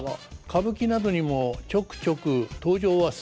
歌舞伎などにもちょくちょく登場はするんです。